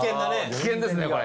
危険ですねこれ。